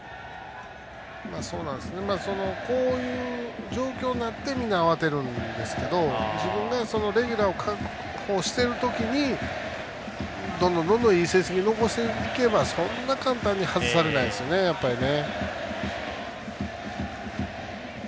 こういう状況になってみんな、慌てるんですけど自分が、レギュラーを確保している時にどんどんいい成績を残していけばそんな簡単に外されないですよやっぱりね。